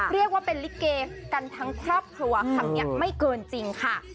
เรียกว่าเป็นลิเกกันทั้งครอบครัวคำนี้ไม่เกินจริงค่ะ